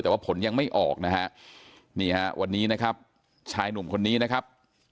แต่ว่าผลยังไม่ออกนะฮะนี่ฮะวันนี้นะครับชายหนุ่มคนนี้นะครับ